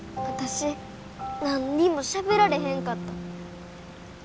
私何にもしゃべられへんかった。